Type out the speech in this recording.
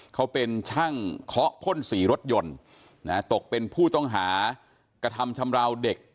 เขาเป็นช่างเคาะพ่นสีรถยนต์ตกเป็นผู้ต้องหากระทำชำราวเด็ก